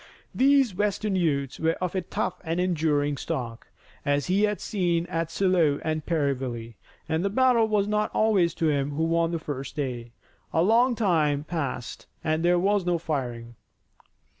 These western youths were of a tough and enduring stock, as he had seen at Shiloh and Perryville, and the battle was not always to him who won the first day. A long time passed and there was no firing.